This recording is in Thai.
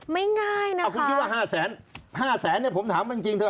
ไม่ง่ายนะคะคุณคิดว่าห้าแสนห้าแสนเนี้ยผมถามจริงจริงเถอะ